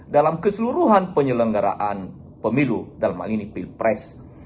dalam keseluruhan penyelenggaraan pemilu dalam hal ini pilpres